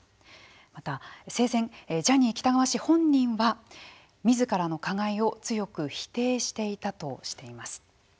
また、生前ジャニー喜多川氏本人はみずからの加害を強く否定していたとしています。